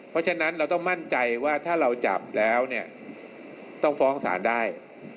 เพราะฉะนั้นเราต้องมั่นใจว่าถ้าเราจับแล้วเนี่ยต้องฟ้องศาลได้